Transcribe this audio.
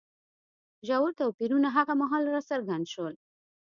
ژور توپیرونه هغه مهال راڅرګند شول